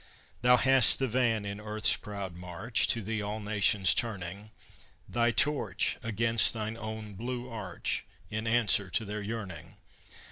Thou hast the van in earth's proud march, To thee all nations turning; Thy torch against thine own blue arch, In answer to their yearning!